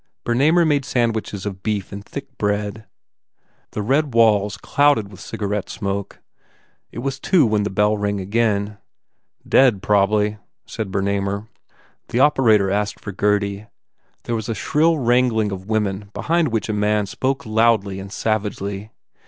Bernamer made sandwiches of beef and thick bread. The red walls clouded with cigarette smoke. It was two when the bell again rang. "Dead, prob ly," said Bernamer. The operator asked for Gurdy. There was a shrill wrangling of women behind which a man spoke loudly and savagely.